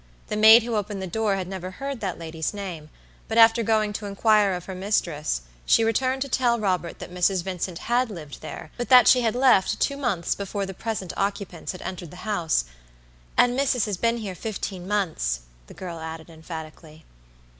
The maid who opened the door had never heard that lady's name; but after going to inquire of her mistress, she returned to tell Robert that Mrs. Vincent had lived there, but that she had left two months before the present occupants had entered the house, "and missus has been here fifteen months," the girl added emphatically.